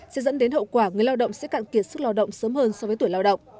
sẽ dẫn đến hậu quả người lao động sẽ cạn kiệt sức lao động sớm hơn so với tuổi lao động